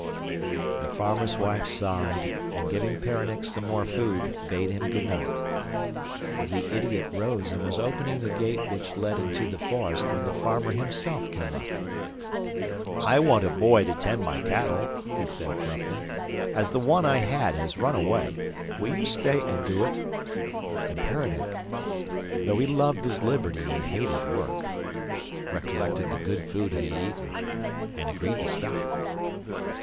The farmer's wife sighed and, giving Peronnik some more food, bade him good night. The idiot rose and was opening the gate which led into the forest when the farmer himself came up. 'I want a boy to tend my cattle,' he said abruptly, 'as the one I had has run away. Will you stay and do it?' and Peronnik, though he loved his liberty and hated work, recollected the good food he had eaten, and agreed to stop.